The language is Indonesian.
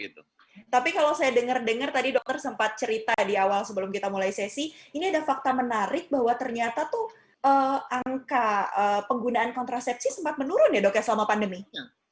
tapi kalau saya dengar dengar tadi dokter sempat cerita di awal sebelum kita mulai sesi ini ada fakta menarik bahwa ternyata tuh angka penggunaan kontrasepsi sempat menurun ya dok ya selama pandemi